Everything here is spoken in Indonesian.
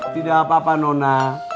tidak apa apa nona